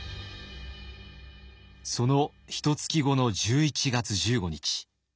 そのひとつき後の１１月１５日。